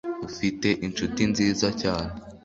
ufite inshuti nziza cyane